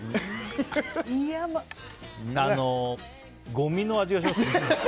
ごみの味がします。